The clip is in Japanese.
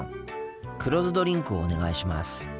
黒酢ドリンクをお願いします。